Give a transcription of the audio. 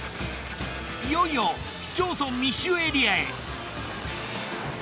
いよいよ市町村密集エリアへ。